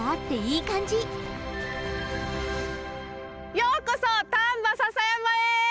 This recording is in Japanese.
ようこそ丹波篠山へ！